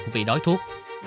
vì đói thuốc